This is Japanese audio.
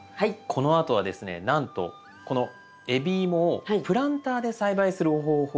このあとはですねなんとこの海老芋をプランターで栽培する方法